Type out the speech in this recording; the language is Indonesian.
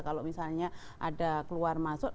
kalau misalnya ada keluar masuk